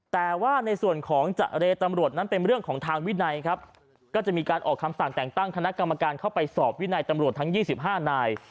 แต่ว่าในส่วนของเจรตำรวจนั้นเป็นเรื่องของทางวินัยครับก็จะมีการออกคำสั่งแต่งตั้งคณะกรรมการเข้าไปสอบวินัยตำรวจทั้ง๒๕นาย